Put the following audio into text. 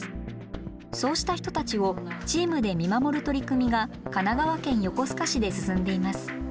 そうした人たちをチームで見守る取り組みが神奈川県横須賀市で進んでいます。